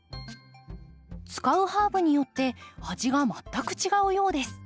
使うハーブによって味が全く違うようです。